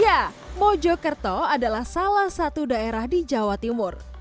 ya mojokerto adalah salah satu daerah di jawa timur